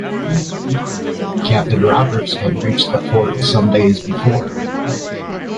Captain Roberts had reached the fort some days before.